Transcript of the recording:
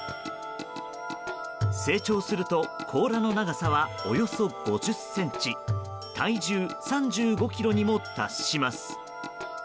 成長すると甲羅の長さはおよそ５０ｃｍ体重３５ｋｇにも達します。